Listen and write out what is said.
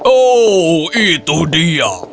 oh itu dia